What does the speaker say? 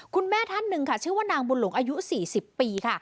คุณแม่ท่านหนึ่งค่ะชื่อว่านางบุญหลงอายุ๔๐ปีค่ะ